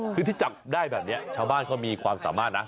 คือที่จับได้แบบนี้ชาวบ้านเขามีความสามารถนะ